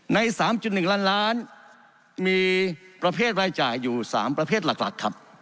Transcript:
ในสามจุดหนึ่งล้านล้านมีประเภทรายจ่ายอยู่สามประเภทหลักหลักครับ